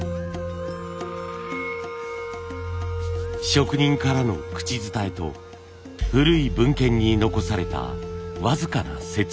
職人からの口伝えと古い文献に残された僅かな説明。